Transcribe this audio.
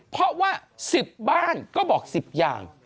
เพราะว่า๑๐บ้านก็บอก๑๐อย่าง